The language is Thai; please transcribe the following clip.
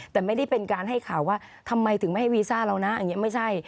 แต่ไม่ได้เป็นการให้ข่าวว่าทำไมถึงไม่ให้วีซ่าเรานะอย่างนี้ไม่ใช่